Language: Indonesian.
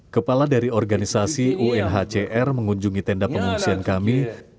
kepala dari organisasi unhcr mengunjungi tenda pengungsian kami